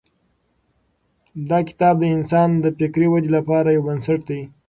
دا کتاب د انسان د فکري ودې لپاره یو بنسټ دی.